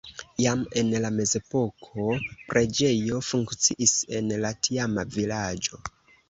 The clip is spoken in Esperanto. Jam en la mezepoko preĝejo funkciis en la tiama vilaĝo.